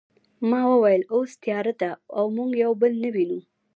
ما وویل اوس تیاره ده او موږ یو بل نه وینو